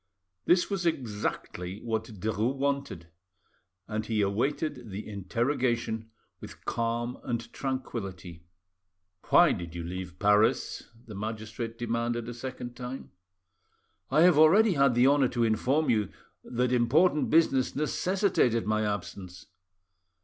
This was exactly what Derues wanted, and he awaited the interrogation with calm and tranquillity. "Why did you leave Paris?" the magistrate demanded a second time. "I have already had the honour to inform you that important business necessitated my absence."